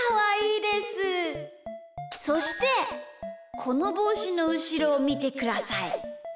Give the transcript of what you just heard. そしてこのぼうしのうしろをみてください。